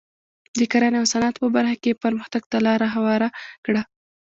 د کرنې او صنعت په برخه کې یې پرمختګ ته لار هواره کړه.